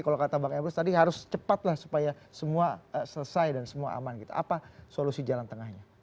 kalau kata bang emrus tadi harus cepat lah supaya semua selesai dan semua aman gitu apa solusi jalan tengahnya